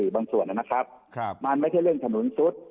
สิบางส่วนนะครับข้าวมันไม่ได้เรื่องถนนสุด